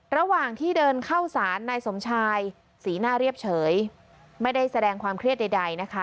ระหว่างที่เดินเข้าสารนายสมชายสีหน้าเรียบเฉยไม่ได้แสดงความเครียดใดนะคะ